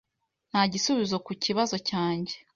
Nta gisubizo ku kibazo cyanjye.